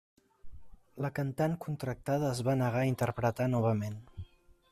La cantant contractada es va negar a interpretar novament.